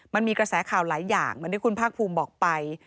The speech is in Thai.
มันมีกระแสข่าวหลายอย่างเหมือนที่คุณภาคภูมิบอกไป